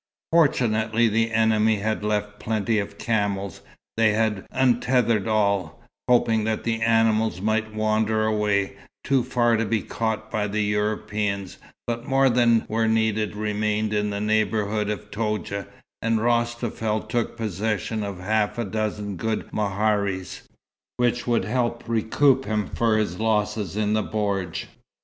Fortunately the enemy had left plenty of camels. They had untethered all, hoping that the animals might wander away, too far to be caught by the Europeans, but more than were needed remained in the neighbourhood of Toudja, and Rostafel took possession of half a dozen good meharis, which would help recoup him for his losses in the bordj.